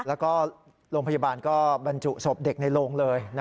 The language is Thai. แล้วก็โรงพยาบาลก็บรรจุศพเด็กในโรงเลย